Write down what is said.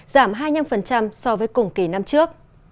giảm hai mươi năm so với cùng kỳ năm trước